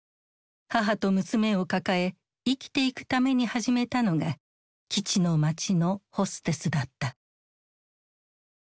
母と娘を抱え生きていくために始めたのが基地の街のホステスだった。